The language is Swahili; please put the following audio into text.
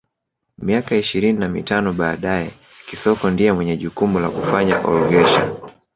Miaka ishirini na mitano baadae Kisonko ndiye mwenye jukumu la kufanya olghesher